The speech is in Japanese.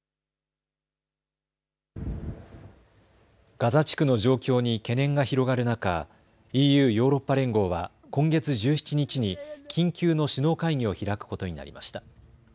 ガザ地区の状況に懸念が広がる中、ＥＵ・ヨーロッパ連合は今月１７日に緊急の首脳会議を開くことになりました。